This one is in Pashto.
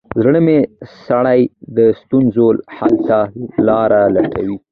• زړور سړی د ستونزو حل ته لاره لټوي.